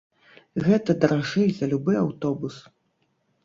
Гэта даражэй за любы аўтобус.